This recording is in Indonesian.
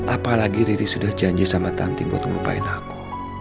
apalagi riri sudah janji sama tanti buat ngelupain aku